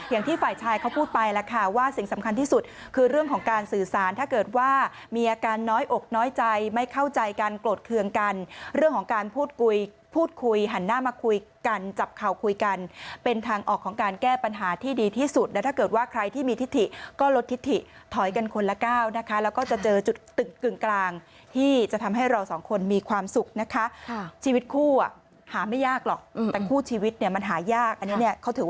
อย่างที่ฝ่ายชายเขาพูดไปแล้วค่ะว่าสิ่งสำคัญที่สุดคือเรื่องของการสื่อสารถ้าเกิดว่ามีอาการน้อยอกน้อยใจไม่เข้าใจกันโกรธเคืองกันเรื่องของการพูดคุยพูดคุยหันหน้ามาคุยกันจับเข่าคุยกันเป็นทางออกของการแก้ปัญหาที่ดีที่สุดแล้วถ้าเกิดว่าใครที่มีทิศถิก็ลดทิศถิกถอยกันคนละก้าวนะคะแล